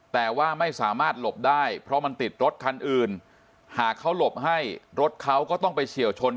แต่ว่าไม่สามารถหลบได้เพราะมันติดรถคันอื่นหากเขาหลบให้รถเขาก็ต้องไปเฉียวชน